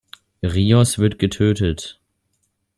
Rios wird getötet.